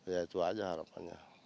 ya itu aja harapannya